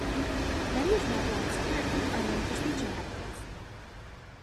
Many of Mel Blanc's characters are known for speech impediments.